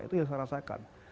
itu yang saya rasakan